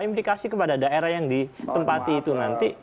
implikasi kepada daerah yang ditempati itu nanti